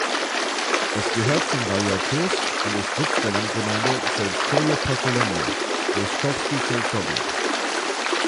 Es gehört zum Rajon Kursk und ist Sitz der Landgemeinde "(selskoje posselenije) Ryschkowski selsowjet".